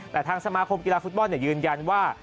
แต่ทางสมาคมกีฬาฟุตบอลยืนยันว่า